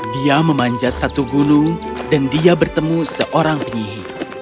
dia memanjat satu gunung dan dia bertemu seorang penyihir